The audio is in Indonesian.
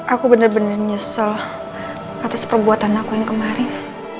aku benar benar nyesel atas perbuatan aku yang kemarin